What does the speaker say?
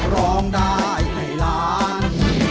ร้องได้ให้ล้าน